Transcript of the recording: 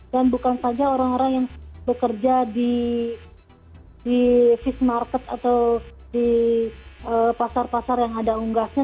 dan bukan saja orang orang yang bekerja di fish market atau di pasar pasar yang ada unggasnya